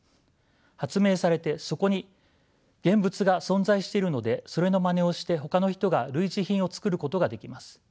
発明されてそこに現物が存在しているのでそれのまねをしてほかの人が類似品を作ることができます。